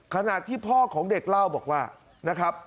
ขณะที่พ่อของเด็กเล่าบอกว่า